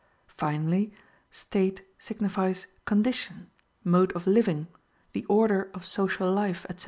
Finally, state signifies condition, mode of living, the order of social life, etc.